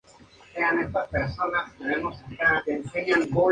En el caso andino, esta tiene rasgos particulares en materia de tiempo y espacio.